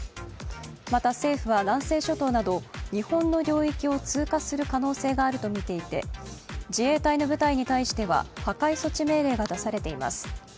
また、政府は南西諸島など日本の領域を通過する可能性があるとみていて自衛隊の部隊に対しては破壊措置命令が出されています。